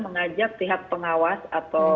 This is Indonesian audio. mengajak pihak pengawas atau